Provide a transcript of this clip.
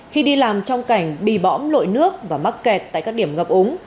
khi đi làm trong cảnh bị bõm lội nước và mắc kẹt tại các điểm ngập úng